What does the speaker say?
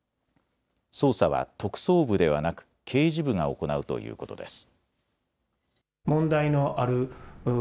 捜査は特捜部ではなく刑事部が行うということです。